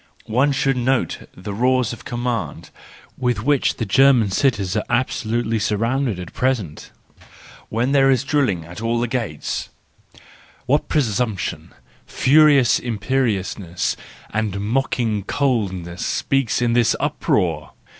One should note the roars of command, with which the German cities are absolutely surrounded at present, when there is drilling at all the gates: what presump¬ tion, furious imperiousness, and mocking coldness speaks in this uproar!